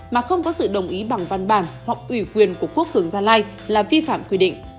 mà không có sự đồng ý bằng văn bản hoặc ủy quyền của quốc phường gia lai là vi phạm quy định